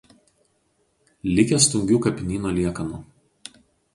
Likę Stungių kapinyno liekanų.